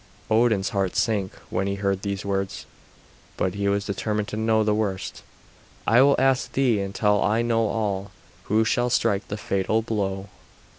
Odin's heart sank when he heard these words; but he was determined to know the worst. "I will ask thee until I know all. Who shall strike the fatal blow?"